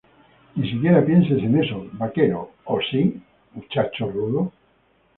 Ni siquiera pienses en eso, vaquero. ¿ O sí, muchacho rudo?